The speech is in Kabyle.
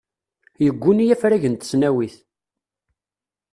Yegguni afrag n tesnawit.